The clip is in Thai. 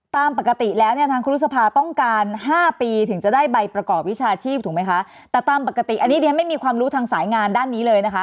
ตามปกติแล้วเนี่ยทางครูรุษภาต้องการ๕ปีถึงจะได้ใบประกอบวิชาชีพถูกไหมคะแต่ตามปกติอันนี้เรียนไม่มีความรู้ทางสายงานด้านนี้เลยนะคะ